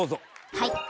はい。